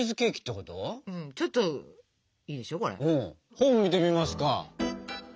本見てみますか。